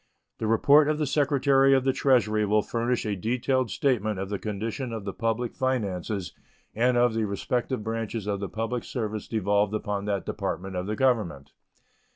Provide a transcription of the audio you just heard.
The report of the Secretary of the Treasury will furnish a detailed statement of the condition of the public finances and of the respective branches of the public service devolved upon that Department of the Government.